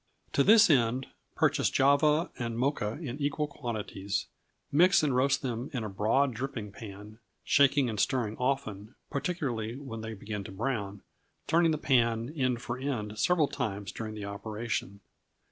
To this end, purchase Java and Mocha in equal quantities; mix and roast them in a broad dripping pan, shaking and stirring often, particularly when they begin to brown, turning the pan, end for end, several times during the operation.